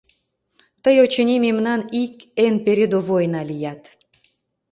Тый, очыни, мемнан ик эн передовойна лият.